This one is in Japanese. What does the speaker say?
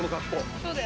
そうだよ。